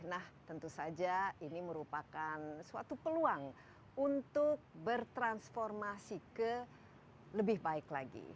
nah tentu saja ini merupakan suatu peluang untuk bertransformasi ke lebih baik lagi